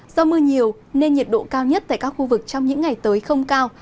do mưa nhiều nên nhiệt độ cao nhất tại các khu vực trong những ngày tới không cao